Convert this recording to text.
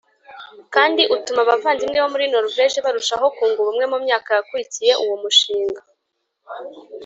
Kandi utuma abavandimwe bo muri noruveje barushaho kunga ubumwe mu myaka yakurikiye uwo mushinga